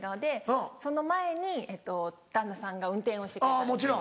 その前に旦那さんが運転をしてくれたんですね。